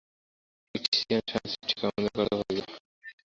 এই Christian Science ঠিক আমাদের কর্তাভজা।